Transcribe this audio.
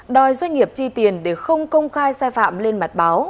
đòi doanh nghiệp chi tiền để không công khai sai phạm lên mặt báo